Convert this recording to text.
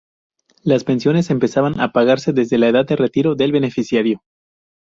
Las pensiones empezaban a pagarse desde la edad de retiro del beneficiario.